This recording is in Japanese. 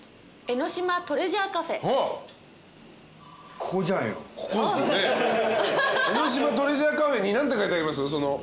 エノシマトレジャーカフェに何て書いてあります？